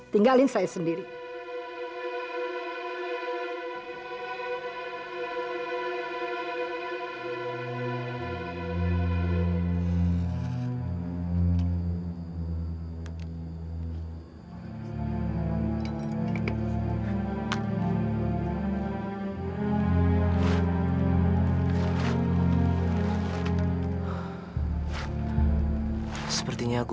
dan selalu bisa berjaga